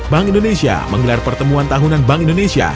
bank indonesia menggelar pertemuan tahunan bank indonesia